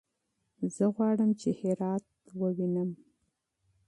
زه غواړم چې هرات وګورم.